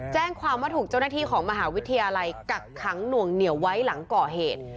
แจ้งความว่าถูกเจ้าหน้าที่ของมหาวิทยาลัยกักขังหน่วงเหนียวไว้หลังก่อเหตุ